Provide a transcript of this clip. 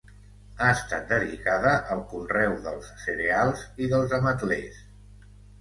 Ha estat dedicada al conreu dels cereals i dels ametlers.